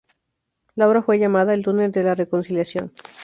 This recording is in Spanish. La obra fue llamada el túnel de La Reconciliación.